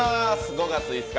５月５日